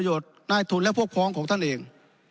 ประโยชน์ณนายทุนและพวกพร้อมของท่านเอง